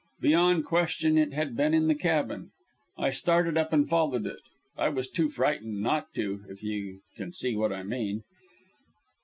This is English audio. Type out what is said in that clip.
Beyond question it had been in the cabin. I started up and followed it. I was too frightened not to if you can see what I mean.